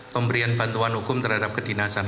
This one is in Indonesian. pemberian bantuan hukum terhadap kedinasan